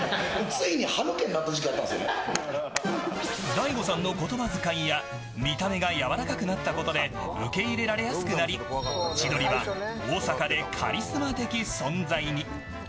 大悟さんの言葉遣いや見た目がやわらかくなったことで受け入れられやすくなり千鳥が大阪でカリスマ的存在に。